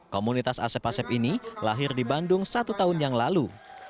komunitas asep asep ini lahir di bandung satu tahun yang lalu